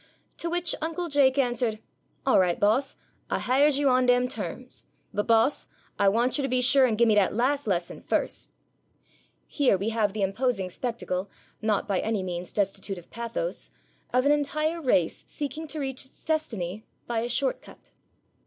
To which Uncle Jake answered, "All right, boss, I hires you on dem terms. But, boss, I wants yer to be sure an' give me dat las' lesson first!"' Here we have the imposing spectacle, not by any means destitute of pathos, of an entire race seeking to reach its destiny by a short cut.